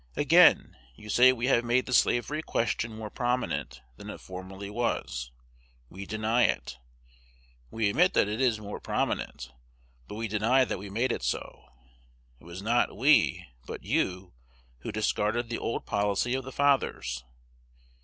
Again, you say we have made the slavery question more prominent than it formerly was. We deny it. We admit that it is more prominent, but we deny that we made it so. It was not we, but you, who discarded the old policy of the fathers.